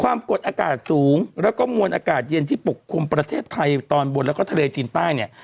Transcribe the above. ความกดอากาศสูงแล้วก็มวลอากาศเย็นที่ปกคลุมประเทศไทยตอนบนแล้วก็ทะเลจีนใต้เนี่ย